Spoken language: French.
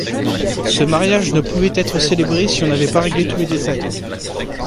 Ce mariage ne pouvait être célébré si on n'avait pas réglé tous les détails.